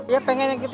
ya pengennya gitu